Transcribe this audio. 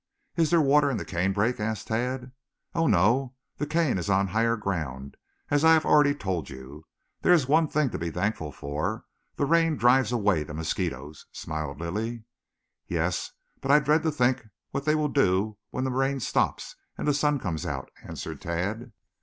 "Is there water in the canebrake?" asked Tad. "Oh, no. The cane is on higher ground, as I have already told you. There is one thing to be thankful for the rain drives away the mosquitoes," smiled Lilly. "Yes, but I dread to think what they will do when the rain stops and the sun comes out," answered Tad.